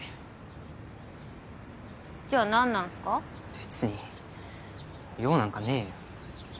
別に用なんかねえよ。